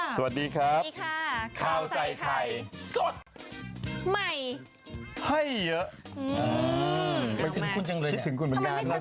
สวัสดีครับสวัสดีค่ะข้าวใส่ไข่สด